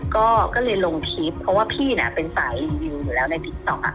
ก็เลยลงคลิปเพราะว่าพี่เป็นสายรีวิวอยู่แล้วในติ๊กต๊อก